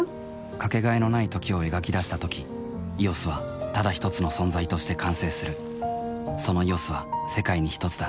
かけがえのない「時」を描き出したとき「ＥＯＳ」はただひとつの存在として完成するその「ＥＯＳ」は世界にひとつだ